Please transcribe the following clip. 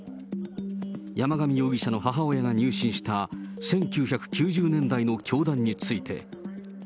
山上容疑者の母親が入信した１９９０年代の教団について。